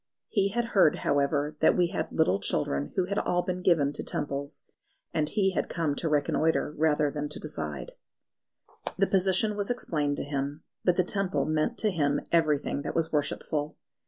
He had heard, however, that we had little children who had all but been given to Temples, and he had come to reconnoitre rather than to decide. The position was explained to him. But the Temple meant to him everything that was worshipful.